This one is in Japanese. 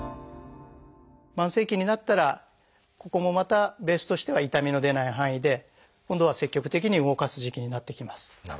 慢性期になったらここもまたベースとしては痛みの出ない範囲で今度は積極的に動かす時期になってきます。